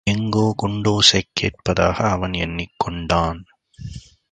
எங்கோ குண்டோசை கேட்பதாக அவன் எண்னிக் கொண்டான்.